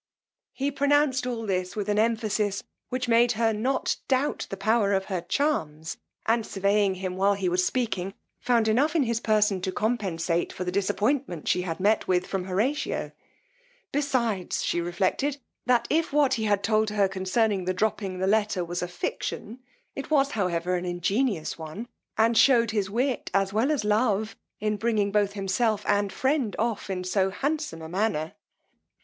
He pronounced all this with an emphasis, which made her not doubt the power of her charms; and surveying him while he was speaking, found enough in his person to compensate for the disappointment she had met with from Horatio: besides, she reflected, that if what he had told her concerning the dropping her letter, was a fiction, it was however an ingenious one, and shewed his wit, as well as love, in bringing both himself and friend off in so handsome a manner.